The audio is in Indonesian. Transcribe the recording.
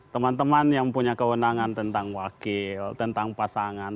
teman teman yang punya kewenangan tentang wakil tentang pasangan